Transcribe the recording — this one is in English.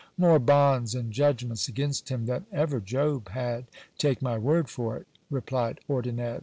More bonds and judgments against him than ever Job had, take my word for it ! replied Ordonnez.